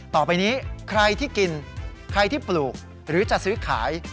ต่อไปนี้ใครที่กินใครที่ปลูกหรือจะซื้อขาย